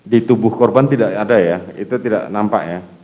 di tubuh korban tidak ada ya itu tidak nampak ya